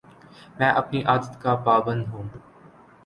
میں اپنی عادات کا پابند ہوں